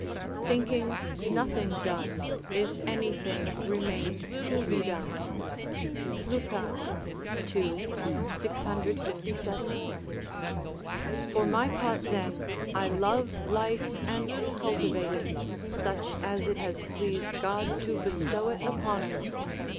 ["Thinking nothing done, if anything remained to be done. "Lucan, ii. 657.] For my part then, I love life and cultivate it, such as it has pleased God to bestow it upon us.